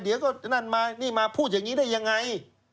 เดี๋ยวก็นั่นมานี่มาพูดอย่างนี้ได้ยังไง